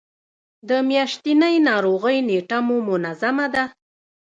د میاشتنۍ ناروغۍ نیټه مو منظمه ده؟